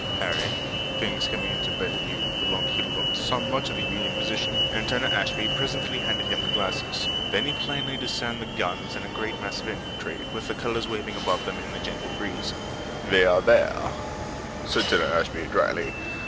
Harry, things coming into better view, the longer he looked, saw much of the Union position, and Turner Ashby presently handed him the glasses. Then he plainly discerned the guns and a great mass of infantry, with the colors waving above them in the gentle breeze. "They're there," said Turner Ashby, dryly.